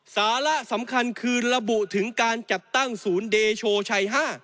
สาระสำคัญคือระบุถึงการจัดตั้งศูนย์เดโชชัย๕